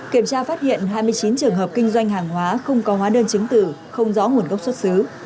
kiểm tra phát hiện hai mươi chín trường hợp kinh doanh hàng hóa không có hóa đơn chứng từ không rõ nguồn gốc xuất xứ